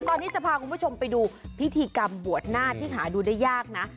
ตอนนี้จะพาคุณผู้ชมไปดูพิธีกรรมบวชหน้าที่หาดูได้ยากนะ